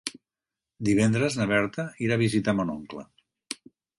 Divendres na Berta irà a visitar mon oncle.